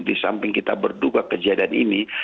di samping kita berduka kejadian ini